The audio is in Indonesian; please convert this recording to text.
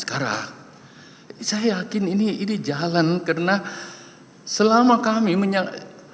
karena saya yakin ini jalan karena selama kami menyangkut